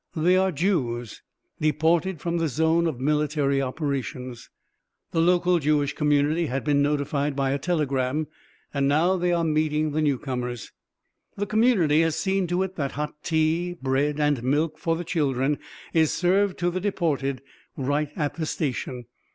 They are Jews deported from the zone of military operations. The local Jewish community had been notified by a telegram and now they are meeting the newcomers. The community has seen to it that hot tea, bread, and milk for the children is served to the deported right at the station.